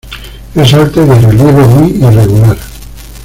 Es alta y de relieve muy irregular.